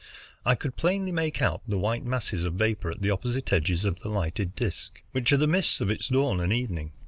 I could plainly make out the white masses of vapor at the opposite edges of the lighted disc, which are the mists of its dawn and evening.